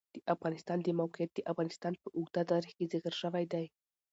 د افغانستان د موقعیت د افغانستان په اوږده تاریخ کې ذکر شوی دی.